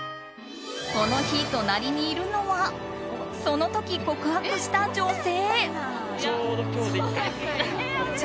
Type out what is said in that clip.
この日、隣にいるのはその時、告白した女性。